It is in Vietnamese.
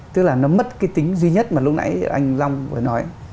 tức là nó mất cái tính duy nhất mà lúc nãy anh long vừa nói